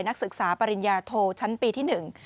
นักศึกษาปริญญาโทชั้นปีที่หนึ่ง